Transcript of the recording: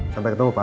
sampai ketemu pa